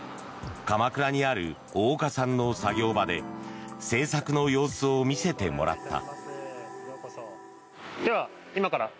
鎌倉にある大岡さんの作業場で製作の様子を見せてもらった。